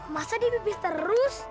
masa dipipis terus